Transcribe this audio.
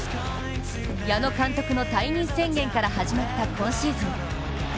矢野監督の退任宣言から始まった今シーズン。